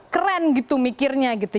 keren gitu mikirnya gitu